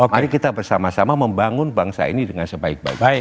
mari kita bersama sama membangun bangsa ini dengan sebaik baik